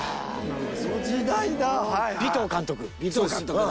尾藤監督だ！